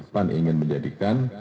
pan ingin menjadikan